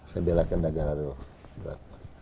saya belakan negara dulu